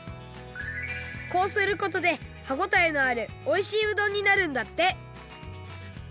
こうすることで歯ごたえのあるおいしいうどんになるんだって！